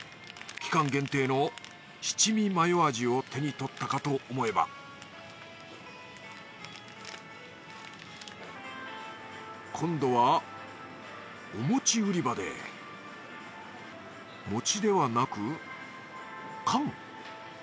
期間限定の七味マヨ味を手に取ったかと思えば今度はお餅売り場で餅ではなく缶？